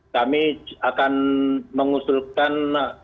kami akan mengusulkan